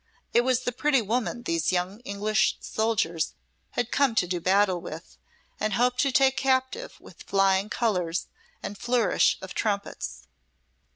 It was the pretty woman these young English soldiers had come to do battle with, and hoped to take captive with flying colours and flourish of trumpets.